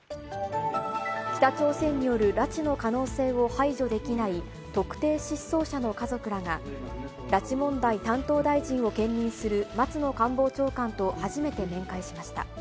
北朝鮮による拉致の可能性を排除できない特定失踪者の家族らが、拉致問題担当大臣を兼任する松野官房長官と初めて面会しました。